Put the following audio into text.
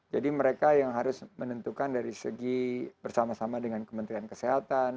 jadi mereka yang harus menentukan dari segi bersama sama dengan kementerian kesehatan